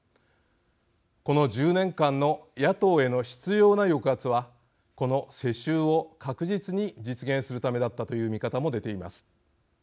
この１０年間の野党への執ような抑圧はこの世襲を確実に実現するためだったという見方も出ています。